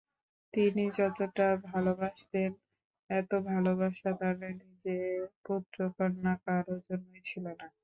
তিনি যতোটা ভালোবাসতেন এতো ভালোবাসা তার নিজে পুত্র কন্যা কারো জন্যই ছিলনা।